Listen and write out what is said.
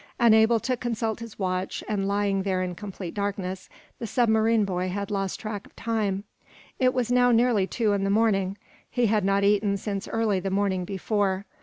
Unable to consult his watch, and lying there in complete darkness, the submarine boy had lost track of time. It was now nearly two in the morning. He had not eaten since early the morning before.